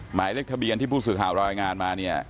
หมายเลขทะเบียนที่ผู้สื่อข่าวรายงานมาเนี่ย